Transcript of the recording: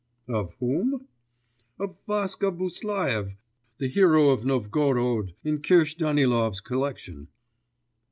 'Of whom?' 'Of Vaska Buslaev, the hero of Novgorod ... in Kirsch Danilov's collection.